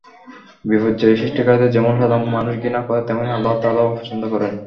বিপর্যয় সৃষ্টিকারীদের যেমন সাধারণ মানুষ ঘৃণা করে, তেমনি আল্লাহ তাআলাও অপছন্দ করেন।